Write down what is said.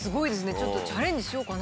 ちょっとチャレンジしようかな。